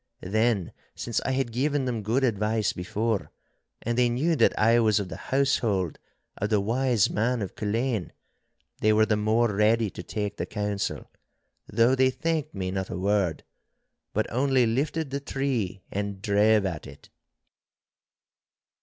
Then since I had given them good advice before, and they knew that I was of the household of the wise man of Culzean, they were the more ready to take the counsel, though they thanked me not a word, but only lifted the tree and drave at it.